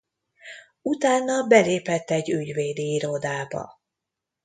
Utána belépett egy ügyvédi irodába.